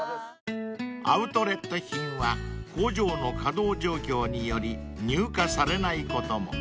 ［アウトレット品は工場の稼働状況により入荷されないことも］